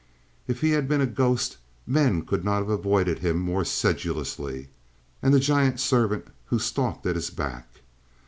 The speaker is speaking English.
If he had been a ghost, men could not have avoided him more sedulously, and the giant servant who stalked at his back.